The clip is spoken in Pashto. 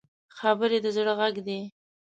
خبرې د زړه غږ دی